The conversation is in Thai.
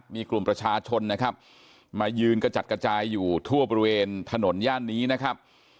มีกลุ่มประชาชนนะครับมายืนกระจัดกระจายอยู่ทั่วบริเวณถนนย่านนี้นะครับ